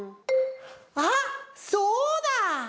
あっそうだ！